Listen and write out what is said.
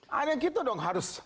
hanya gitu dong harus